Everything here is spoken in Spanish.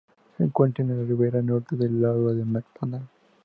Se encuentra en la ribera norte del Lago McDonald.